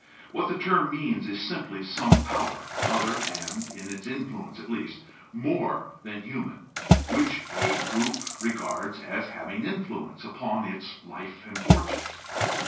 What the term means is simply some power other and (in its influence at least) more than human which a group regards as having influence upon its life and fortunes.